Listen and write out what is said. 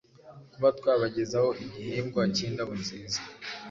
kuba twabagezaho igihingwa cy’Indabo nziza